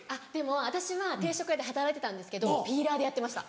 私は定食屋で働いてたんですけどピーラーでやってました。